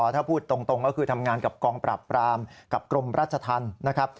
ถ้าพูดตรงก็คือทำงานกับกองปราบปรามกับกรมราชธรรมนะครับ